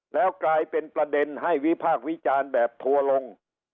แล้วกลายเป็นประเด็นให้วิพากษ์วิจารณ์แบบทัวร์ลง